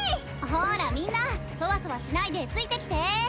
ほらみんなそわそわしないでついてきて。